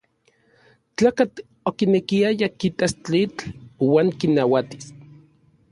Tlakatl okinekiaya kitas tlitl uan kinauatis.